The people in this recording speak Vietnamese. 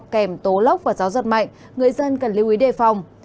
kèm tố lốc và gió giật mạnh người dân cần lưu ý đề phòng